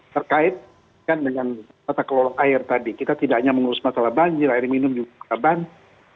terkait dengan tata kelola air tadi kita tidak hanya mengurus masalah banjir air minum juga banjir